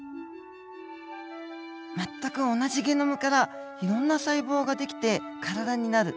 全く同じゲノムからいろんな細胞ができて体になる。